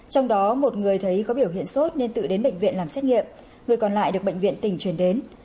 trong đó một người thấy có biểu hiện sốt nên tự đến bệnh viện làm xét nghiệm người còn lại được bệnh viện tỉnh chuyển đến